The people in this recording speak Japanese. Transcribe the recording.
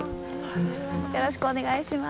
よろしくお願いします。